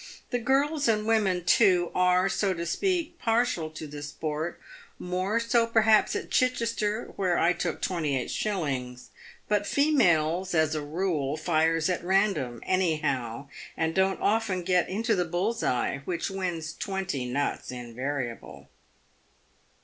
The girls and women, too, are, so to speak it, partial to the sport; more so perhaps at Chichester, where I took 28s. But females, as a rule, fires at random, anyhow, and don't often get into the bull's eye, which wins twenty nuts invariable."